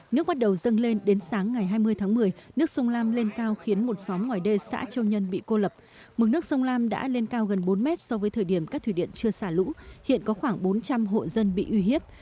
nước bắt đầu dâng lên đến sáng ngày hai mươi tháng một mươi nước sông lam lên cao khiến một xóm ngoài đê xã châu nhân bị cô lập mực nước sông lam đã lên cao gần bốn mét so với thời điểm các thủy điện chưa xả lũ hiện có khoảng bốn trăm linh hộ dân bị uy hiếp